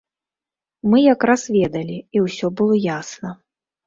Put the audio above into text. Мы якраз ведалі і ўсё было ясна.